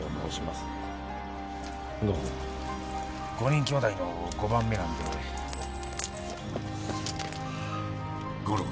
５人きょうだいの５番目なんで五郎。